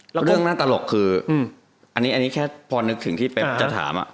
แล้วเรื่องน่าตลกคืออันนี้แค่พอนึกถึงที่เป๊บจะถาม